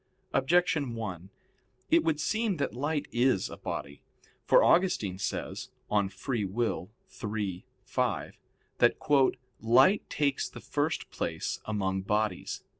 Objection 1: It would seem that light is a body. For Augustine says (De Lib. Arb. iii, 5) that "light takes the first place among bodies."